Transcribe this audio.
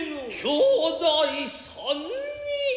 兄弟三人。